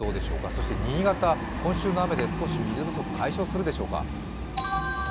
そして新潟、今週の雨で少し水不足解消するでしょうか？